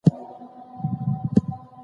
د سرطان درملنې اقتصادي ګټې شته.